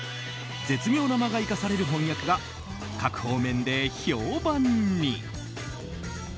絶妙な間がいかされる翻訳が各方面で評判に。